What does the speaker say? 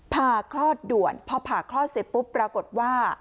ผ่าคลอดด่วนพอผ่าคลอดเสร็จปุ๊บปรากฏว่า